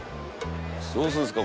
どうするんですか？